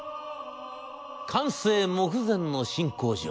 完成目前の新工場。